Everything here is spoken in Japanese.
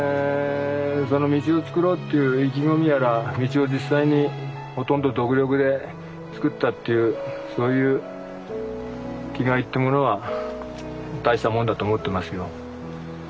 その道を作ろうっていう意気込みやら道を実際にほとんど独力で作ったっていうそういう気概ってものは大したもんだと思ってますよ。